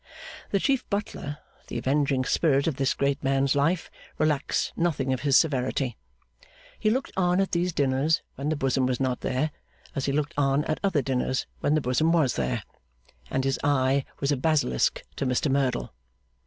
The Chief Butler, the Avenging Spirit of this great man's life, relaxed nothing of his severity. He looked on at these dinners when the bosom was not there, as he looked on at other dinners when the bosom was there; and his eye was a basilisk to Mr Merdle.